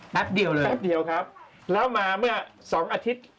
แป๊บเดียวเลยครับแป๊บเดียวครับแล้วมาเมื่อ๒อาทิตย์